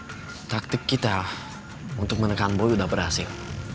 karena taktik kita untuk menekan boy udah berhasil